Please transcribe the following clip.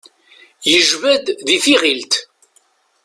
Yejba-d di tiɣilt.